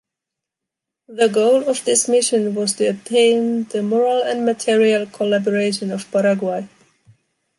The goal of this mission was to obtain the moral and material collaboration of Paraguay.